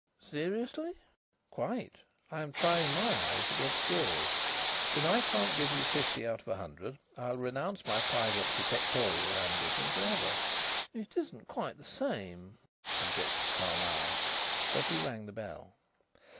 "Seriously?" "Quite. I am trying my eyes against yours. If I can't give you fifty out of a hundred I'll renounce my private detectorial ambition for ever." "It isn't quite the same," objected Carlyle, but he rang the bell.